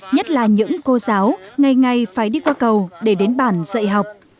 nhất là những cô giáo ngày ngày phải đi qua cầu để đến bản dạy học